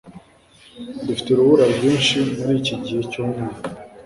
Dufite urubura rwinshi muriki gihe cyumwaka.